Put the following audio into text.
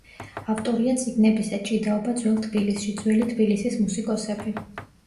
ავტორია წიგნებისა „ჭიდაობა ძველ თბილისში“, „ძველი თბილისის მუსიკოსები“.